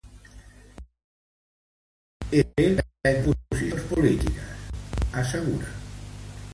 És el nostre paper prendre posicions polítiques, assegura.